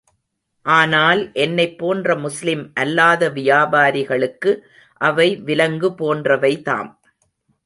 ஆனால் என்னைப் போன்ற முஸ்லிம் அல்லாத வியாபரிகளுக்கு அவை விலங்கு போன்றவைதாம்.